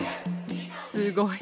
すごい！